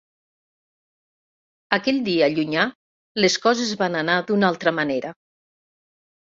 Aquell dia llunyà les coses van anar d'una altra manera.